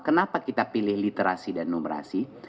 kenapa kita pilih literasi dan numerasi